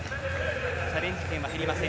チャレンジ権は減りません。